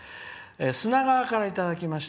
砂川からいただきました。